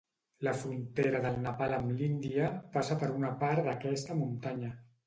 La frontera del Nepal amb l'Índia passa per una part d'aquesta muntanya.